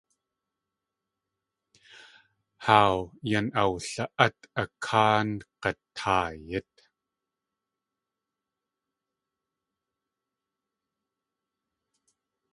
Haaw yan awli.át a káa ng̲ataayít.